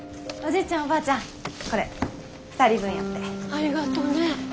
ありがとうね。